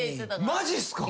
マジっすか！？